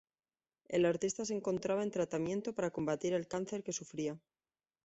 El artista se encontraba en tratamiento para combatir el cáncer que sufría.